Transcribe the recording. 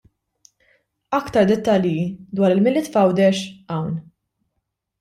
Aktar dettalji dwar il-Milied f'Għawdex hawn.